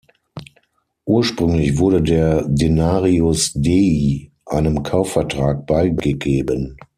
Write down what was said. Ursprünglich wurde der "Denarius Dei" einem Kaufvertrag beigegeben.